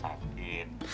kalau kan lagi sakit